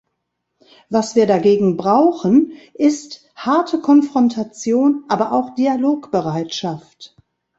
Was wir dagegen brauchen, ist harte Konfrontation, aber auch Dialogbereitschaft.